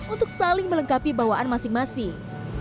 untuk saling melengkapi bawaan masing masing